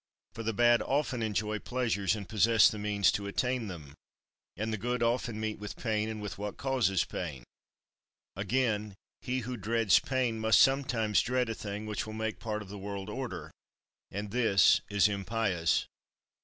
For the bad often enjoy pleasures and possess the means to attain them, and the good often meet with pain and with what causes pain. Again, he who dreads pain must sometimes dread a thing which will make part of the world order, and this is impious.